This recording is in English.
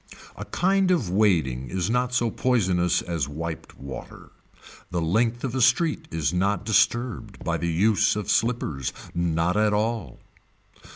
A kind of wading is not so poisonous as wiped water. The length of a street is not disturbed by the use of slippers. Not at all.